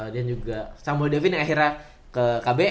dan juga samuel devin yang akhirnya ke kbs